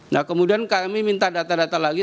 nah kemudian kami minta data data lagi